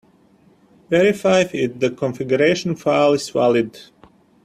Verify if the configuration file is valid.